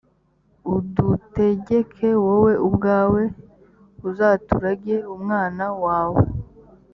udutegeke wowe ubwawe uzaturage umwana wawe